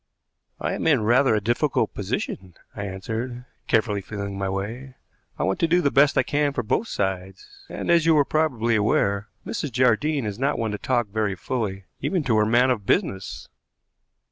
"I am in rather a difficult position," I answered, carefully feeling my way. "I want to do the best I can for both sides, and, as you are probably aware, Mrs. Jardine is not one to talk very fully, even to her man of business."